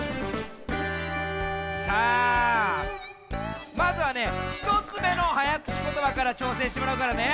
さあまずはねひとつめのはやくちことばからちょうせんしてもらうからね。